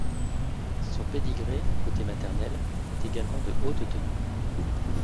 Son pedigree, côté maternel, est également de haute tenue.